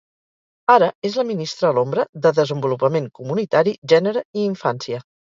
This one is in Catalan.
Ara és la ministra a l'ombra de Desenvolupament Comunitari, Gènere i Infància.